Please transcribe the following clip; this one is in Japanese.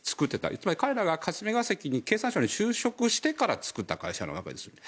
つまり彼らが霞が関経産省に就職してから作った会社なわけです。